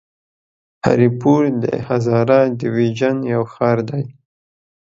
هري پور د هزاره ډويژن يو ښار دی.